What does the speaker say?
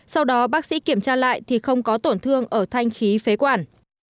sau đó bác sĩ kiểm tra lại thì không có tổn thương ở thanh khí phế quản